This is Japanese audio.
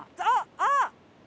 あっあっ！